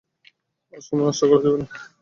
আর সময় নষ্ট করা যাবে না।